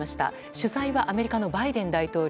主催はアメリカのバイデン大統領。